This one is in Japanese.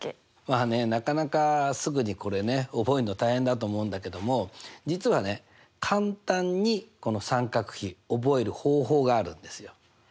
まあねなかなかすぐにこれね覚えるの大変だと思うんだけども実はね簡単にこの三角比覚える方法があるんですよ。